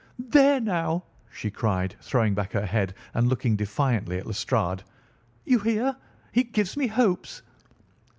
"There, now!" she cried, throwing back her head and looking defiantly at Lestrade. "You hear! He gives me hopes."